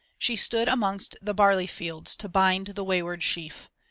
She stood amongst the barley fields to bind the wayward sheaf.